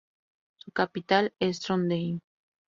Su capital es Trondheim.